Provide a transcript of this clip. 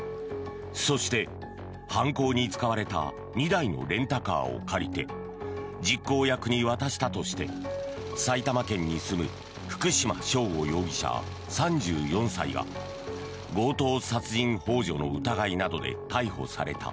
そして、犯行に使われた２台のレンタカーを借りて実行役に渡したとして埼玉県に住む福島聖悟容疑者、３４歳が強盗殺人ほう助の疑いなどで逮捕された。